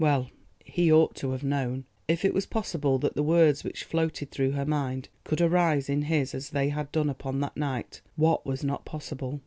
Well, he ought to have known. If it was possible that the words which floated through her mind could arise in his as they had done upon that night, what was not possible?